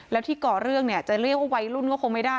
แล้วที่ก่อเรื่องเนี่ยจะเรียกว่าวัยรุ่นก็คงไม่ได้